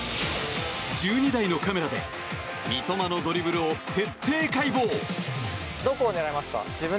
１２台のカメラで三笘のドリブルを徹底解剖。